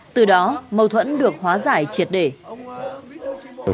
từ đó mâu thuẫn được hóa giải triệt để